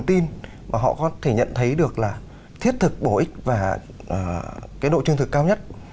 những cái thông tin mà họ có thể nhận thấy được là thiết thực bổ ích và cái độ trung thực cao nhất